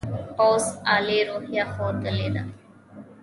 پوځ عالي روحیه ښودلې ده.